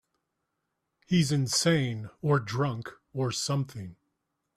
He's insane or drunk or something.